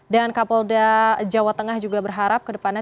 dan kapolda jawa tengah juga berharap ke depannya